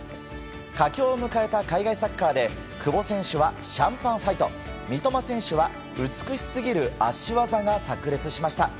佳境を迎えた海外サッカーで久保選手はシャンパンファイト三笘選手は美しすぎる足技がさく裂しました。